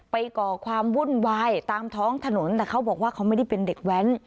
ก่อความวุ่นวายตามท้องถนนแต่เขาบอกว่าเขาไม่ได้เป็นเด็กแว้น